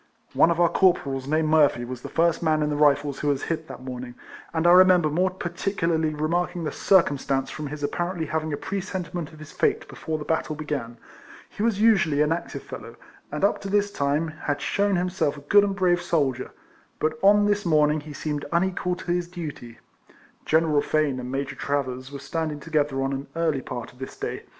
One of our corporals, named Murphy, was the first man in the Rifles who was hit that morning, and I remember more particularly remarking the circumstance from his ap parently having a presentiment of his fate before the battle began. He was usually an active fellow, and up to this time had shewn himself a good and brave soldier, but on this morning he seemed unequal to his duty. General Fane and Major Travers were standing together on an early part of this day.